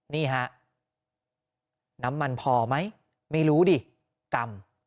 นี่ฮะน้ำมันพอไหมไม่รู้ดิกรัม